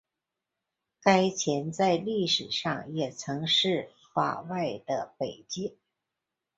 该线在历史上也曾是法外的北界。